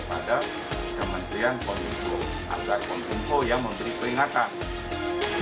agar konfirmasional yang memberi peringatan